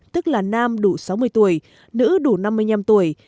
tức là nam đủ sáu mươi tuổi nữ đủ năm mươi năm tuổi